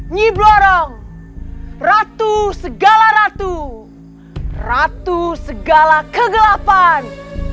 nyi blorong ratu segala ratu ratu segala kegelapan